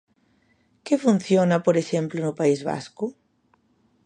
¿Que funciona, por exemplo, no País Vasco?